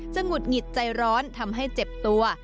หงุดหงิดใจร้อนทำให้เจ็บตัว